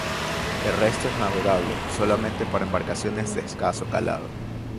El resto es navegable solamente para embarcaciones de escaso calado.